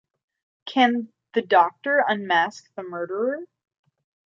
Can the Doctor unmask the murderer?